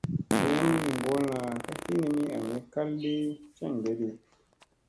Wayamii mi ŋgolla ka hinimi ami kaldi ceŋge di.